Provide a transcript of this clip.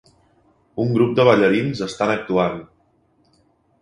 Un grup de ballarins estan actuant